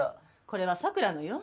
これは桜のよ。